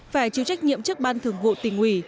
phải chịu trách nhiệm chức ban thường vụ tỉnh uỷ